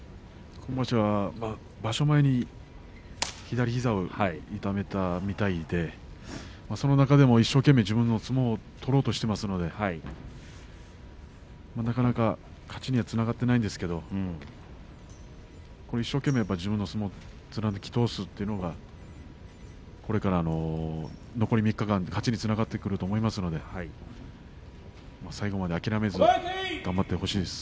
今場所は場所前に左膝を痛めたみたいでその中でも一生懸命、自分の相撲を取ろうとしていますのでなかなか勝ちにはつながっていないんですが一生懸命自分の相撲を貫き通すというのがこれからの残り３日間の勝ちにつながると思いますので最後まで諦めずに頑張ってほしいです。